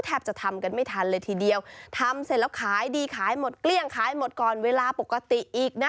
จะทำกันไม่ทันเลยทีเดียวทำเสร็จแล้วขายดีขายหมดเกลี้ยงขายหมดก่อนเวลาปกติอีกนะ